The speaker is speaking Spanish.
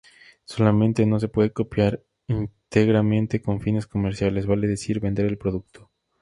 Solamente no se puede copiar íntegramente con fines comerciales, vale decir, vender el producto.